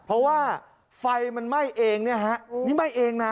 เพราะว่าไฟมันไหม้เองเนี่ยฮะนี่ไหม้เองนะ